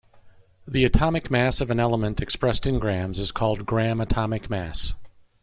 The atomic mass of an element expressed in grams is called gram atomic mass.